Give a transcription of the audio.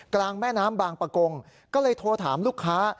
กลางแม่น้ำบางประกงก็เลยโทรถามลูกค้า